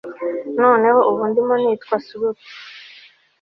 noneho ubu ndimo nitwa slut